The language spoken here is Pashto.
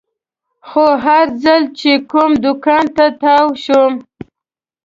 خو هر ځل چې کوم دوکان ته تاو شوم.